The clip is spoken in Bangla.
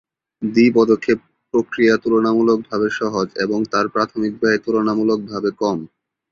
দ্বি-পদক্ষেপ প্রক্রিয়া তুলনামূলকভাবে সহজ এবং তার প্রাথমিক ব্যয় তুলনামূলকভাবে কম।